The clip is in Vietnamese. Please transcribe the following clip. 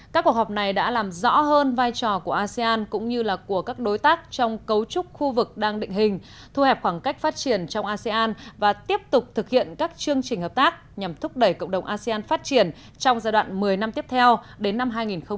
các cuộc họp này đã làm rõ hơn vai trò của asean cũng như của các đối tác trong cấu trúc khu vực đang định hình thu hẹp khoảng cách phát triển trong asean và tiếp tục thực hiện các chương trình hợp tác nhằm thúc đẩy cộng đồng asean phát triển trong giai đoạn một mươi năm tiếp theo đến năm hai nghìn hai mươi năm